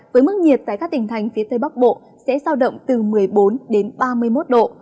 với mức nhiệt tại các tỉnh thành phía tây bắc bộ sẽ giao động từ một mươi bốn đến ba mươi một độ